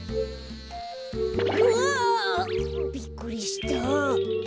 うわ！びっくりした。